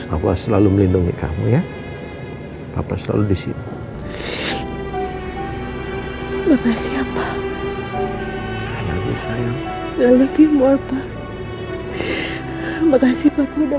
aku selalu melindungi kamu ya papa selalu disini berkasiah pak saya lebih mau pak makasih papa